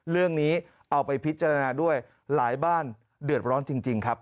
เรื่องนี้เอาไปพิจารณาด้วยหลายบ้านเดือดร้อนจริงครับ